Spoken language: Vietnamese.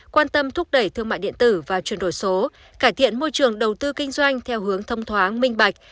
quan tâm thúc đẩy thương mại điện tử và chuyển đổi số cải thiện môi trường đầu tư kinh doanh theo hướng thông thoáng minh bạch